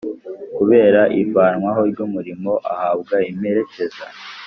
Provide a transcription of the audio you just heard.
kubera ivanwaho ry’umurimo ahabwa imperekeza